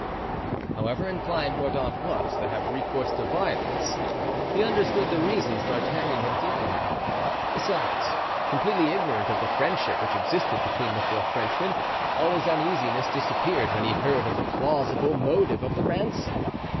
However inclined Mordaunt was to have recourse to violence, he understood the reasons D'Artagnan had given him; besides, completely ignorant of the friendship which existed between the four Frenchmen, all his uneasiness disappeared when he heard of the plausible motive of the ransom.